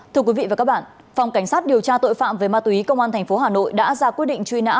thưa quý vị và các bạn phòng cảnh sát điều tra tội phạm về ma túy công an tp hà nội đã ra quyết định truy nã